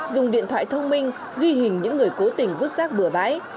dùng điện thoại thông minh ghi hình những người cố tình vứt rác bừa bãi